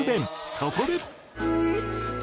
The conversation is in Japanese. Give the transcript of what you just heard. そこで。